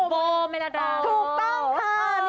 โบเมรดาถูกต้องค่ะ